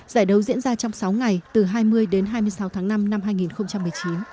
giải đấu diễn ra trong sáu ngày từ hai mươi đến hai mươi sáu tháng năm năm hai nghìn một mươi chín